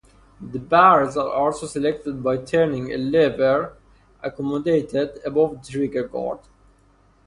The barrels are selected by turning a lever accommodated above the trigger guard.